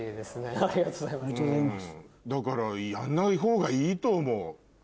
だからやんないほうがいいと思う。